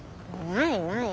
ないない。